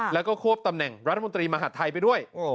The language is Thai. แล้วก็ควบตำแหน่งรัฐมนตรีมหาดไทยไปด้วย